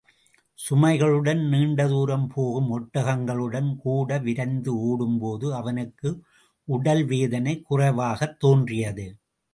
சுமைகளுடன் நீண்டதுரம் போகும் ஒட்டகங்களுடன் கூடவிரைந்து ஓடும்போது, அவனுக்கு உடல் வேதனை குறைவாகத் தோன்றியது.